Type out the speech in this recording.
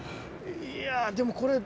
いやでもこれえ？